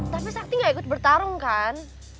tapi sakti nggak ikut bertarung kan